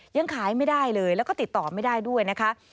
ยังขายไม่ได้เลยแล้วก็ติดต่อไม่ได้ด้วยนะคะ